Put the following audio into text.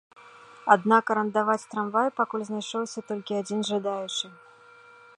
Аднак арандаваць трамвай пакуль знайшоўся толькі адзін жадаючы.